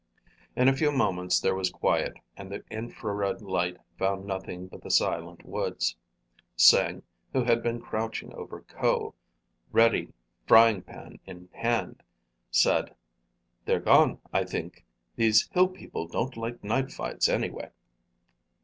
In a few moments there was quiet, and the infrared light found nothing but the silent woods. Sing, who had been crouching over Ko, ready frying pan in hand, said, "They've gone, I think. These hill people don't like night fights, anyway."